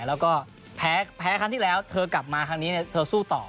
แล้วก็แพ้ครั้งที่แล้วเธอกลับมาครั้งนี้เธอสู้ต่อ